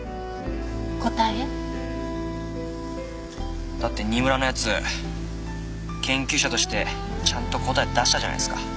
答え？だって新村の奴研究者としてちゃんと答え出したじゃないですか。